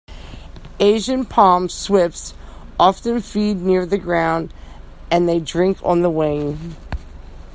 Asian palm swifts often feed near the ground, and they drink on the wing.